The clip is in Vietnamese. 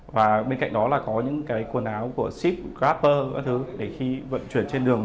và bên cạnh đó là có những cái quần áo của ship grapper các thứ để khi vận chuyển trên đường